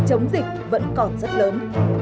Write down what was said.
chống dịch vẫn còn rất lớn